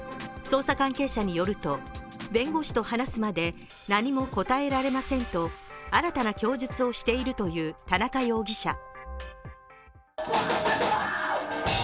捜査関係者によると弁護士と話すまで何も答えられませんと、新たな供述をしているという田中容疑者。